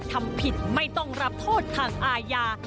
ทำผิดไม่ต้องรับโทษทางอาญา